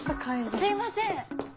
・すいません